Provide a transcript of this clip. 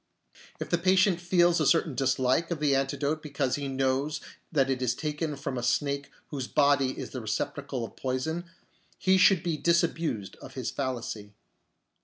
If the patient feels a certain dislike of the antidote because he knows that it is taken from a snake whose body is the receptacle of poison, he should be disabused of his fallacy.